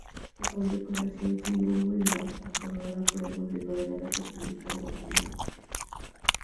Condecoración "Simón Bolívar" otorgada por el gobierno de la República de Guatemala.